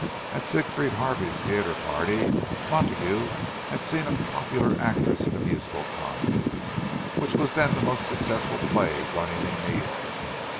At Siegfried Harvey's theatre party Montague had seen a popular actress in a musical comedy, which was then the most successful play running in New York.